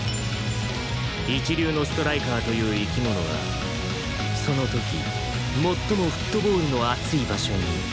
一流のストライカーという生き物はその時最もフットボールの熱い場所に